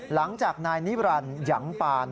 หลังจากนายนิรันดิ์ยังปาน